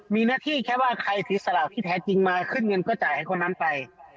มีหน้าที่แค่ว่าใครถือสลากที่แท้จริงมาขึ้นเงินเพื่อจ่ายให้คนนั้นไป